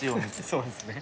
そうですね。